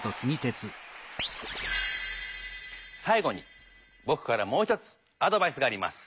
さい後にぼくからもう１つアドバイスがあります。